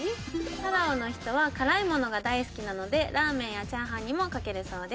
パラオの人は辛いものが大好きなのでラーメンやチャーハンにもかけるそうです